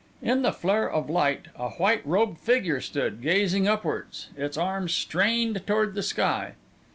In the flare of light, a white robed figure stood, gazing upwards, its arms strained toward the sky.